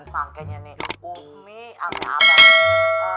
makanya nih umi sama abah